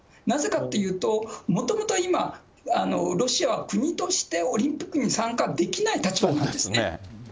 なぜかっていうと、もともと今、ロシアは国としてオリンピックに参加できない立場なんですね。